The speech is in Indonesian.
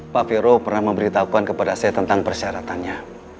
pak vero pernah memberi tahuan kepada saya tentang persyaratannya